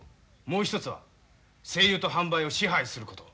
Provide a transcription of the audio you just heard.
もう一つは精油と販売を支配すること。